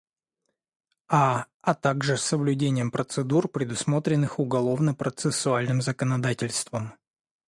А., а также соблюдением процедур, предусмотренных уголовно-процессуальным законодательством.